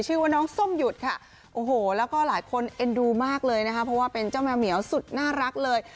ชื่อว่าน้องส้มหยุดค่ะโอ้โหแล้วก็หลายคนเอ็นดูมากเลยนะคะเพราะว่าเป็นเจ้าแมวเหมียวสุดน่ารักเลย